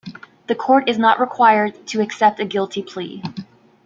The court is not required to accept a guilty plea.